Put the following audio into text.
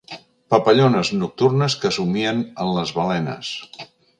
Papallones nocturnes que somien en les balenes.